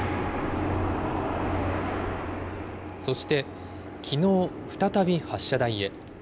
そして、きのう、再び発射台へ。